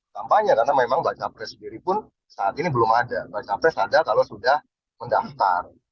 kampanye karena memang baca pres sendiri pun saat ini belum ada baca pres ada kalau sudah mendaftar